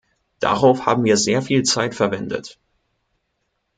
Darauf haben wir sehr viel Zeit verwendet.